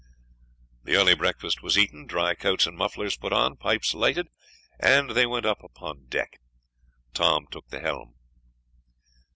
The early breakfast was eaten, dry coats and mufflers put on, pipes lighted, and they then went up upon deck. Tom took the helm.